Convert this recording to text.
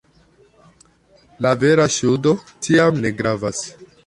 La vera ŝuldo tiam ne gravas.